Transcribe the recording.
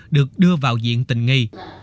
được đưa vào diện tình nghi